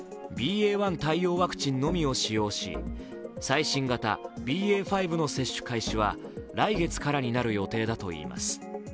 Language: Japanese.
１対応ワクチンのみを使用し最新型ＢＡ．５の接種開始は来月からになる予定だといいます。